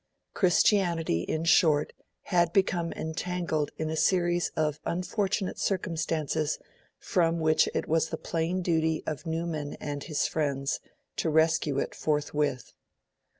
Christianity, in short, had become entangled in a series of unfortunate circumstances from which it was the plain duty of Newman and his friends to rescue it forthwith.